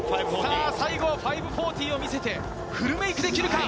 最後は５４０を見せてフルメイクできるか。